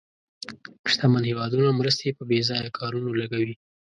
شتمن هېوادونه مرستې په بې ځایه کارونو لګوي.